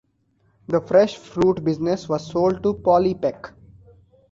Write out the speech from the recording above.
The fresh fruit business was sold to Polly Peck.